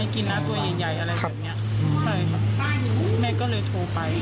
กินน่ากล้วยใหญ่อย่างนี้ไม่ก็เลยโทรไป